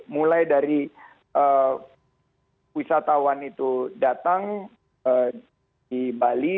mulai dari wisatawan itu datang di bali